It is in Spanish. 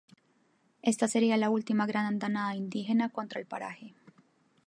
Esta sería la última gran andanada indígena contra el paraje.